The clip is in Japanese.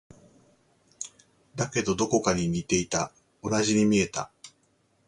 だけど、どこか似ていた。同じに見えた。